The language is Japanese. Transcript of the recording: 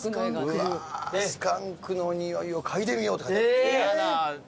スカンクのニオイをかいでみようって書いてある。